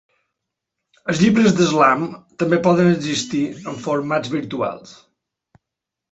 Els llibres de Slam també poden existir en formats virtuals.